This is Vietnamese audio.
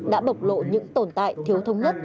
đã bộc lộ những tồn tại thiếu thông nhất